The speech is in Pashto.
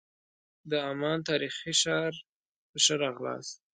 د عمان تاریخي ښار ته ښه راغلاست.